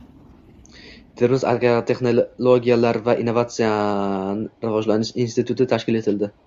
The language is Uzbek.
Termiz agrotexnologiyalar va innovatsion rivojlanish instituti tashkil etildi